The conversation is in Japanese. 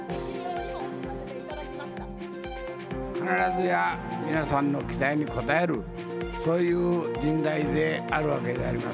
必ずや皆さんの期待に応える、そういう人材であるわけでありま